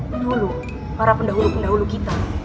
pendahulu para pendahulu pendahulu kita